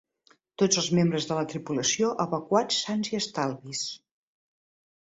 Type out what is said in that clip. Tots els membres de la tripulació evacuats sans i estalvis.